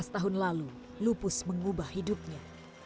tujuh belas tahun lalu lupus mengubah hidupnya